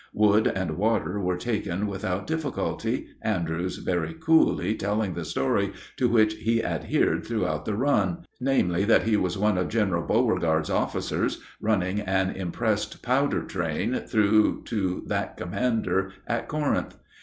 Wood and water were taken without difficulty, Andrews very coolly telling the story to which he adhered throughout the run namely, that he was one of General Beauregard's officers, running an impressed powder train through to that commander at Corinth.